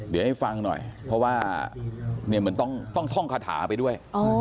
เดี๋ยวให้ฟังหน่อยเพราะว่าเหมือนต้องท่องคาถาไปด้วย